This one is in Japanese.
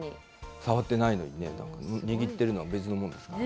触ってないのに、握ってるの別のものですからね。